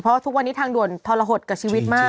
เพราะทุกวันนี้ทางด่วนทรหดกับชีวิตมาก